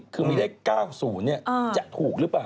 คือมีเลข๙๐จะถูกหรือเปล่า